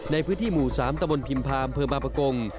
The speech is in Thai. ในพื้นที่หมู่๓ตะวนพิมพามเพิร์มอปกรง